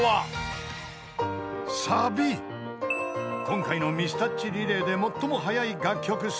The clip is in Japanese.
［今回のミスタッチリレーで最も速い楽曲スピード］